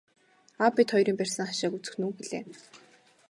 Аав бид хоёрын барьсан хашааг үзэх нь үү гэлээ.